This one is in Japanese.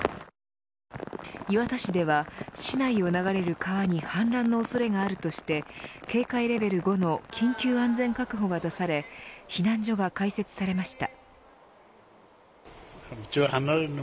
磐田市では市内を流れる川にはんらんの恐れがあるとして警戒レベル５の緊急安全確保が出され避難所が開設されました。